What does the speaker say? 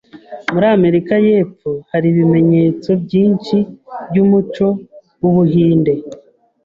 Muri Amerika yepfo, hari ibimenyetso byinshi byumuco wu Buhinde.